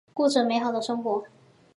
过着美好的生活。